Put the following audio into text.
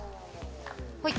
ほい